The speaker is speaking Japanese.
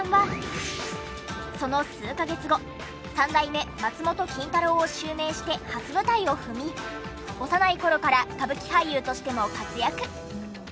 その数カ月後三代目松本金太郎を襲名して初舞台を踏み幼い頃から歌舞伎俳優としても活躍。